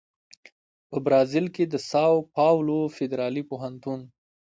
په برازیل کې د ساو پاولو فدرالي پوهنتون